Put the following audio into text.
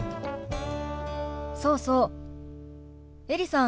そうそうエリさん。